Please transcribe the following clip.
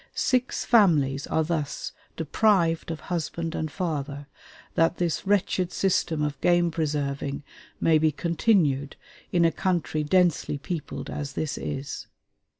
Six families are thus deprived of husband and father, that this wretched system of game preserving may be continued in a country densely peopled as this is.